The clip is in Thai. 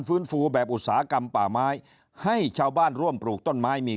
ฟื้นฟูแบบอุตสาหกรรมป่าไม้ให้ชาวบ้านร่วมปลูกต้นไม้มี